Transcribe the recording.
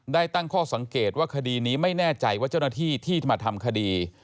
ตั้งข้อสังเกตว่าคดีนี้ไม่แน่ใจว่าเจ้าหน้าที่ที่มาทำคดี